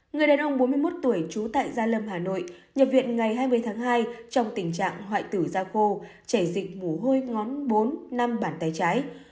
người đàn ông bốn mươi một tuổi trú tại gia lâm hà nội nhập viện ngày hai mươi tháng hai trong tình trạng hoại tử da khô chảy dịch mủ hôi ngón bốn năm bàn tay trái